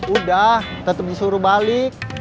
udah tetep disuruh balik